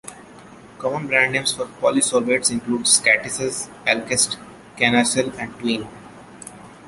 Common brand names for polysorbates include Scattics, Alkest, Canarcel, and Tween.